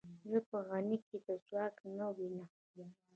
زه په غني کې دا ځواک نه وینم.